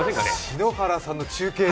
篠原さんの中継の？